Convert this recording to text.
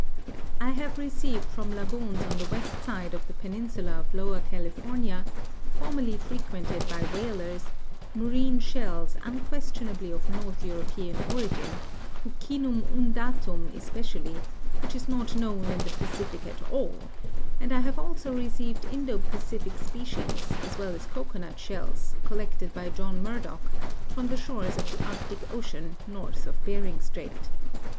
I have received from lagoons on the *Cf. Qeog. Tidskr., ix, No. 4, pp. 75 G, Copenhagen, 1887. THE SO CALLED ^^JEANNETTE EELLCS" 97 west side of tlie peninsula of Lower California, formerly fre quented by whalers, marine shells unquestionably of north European origin, Bnccinum nndatum especialhq which is not known in the Pacific at all, and I have also received Indo Pacific species, as well as cocoanut shells, collected by John Murdoch, from the shores of the Arctic ocean, north of Bering strait.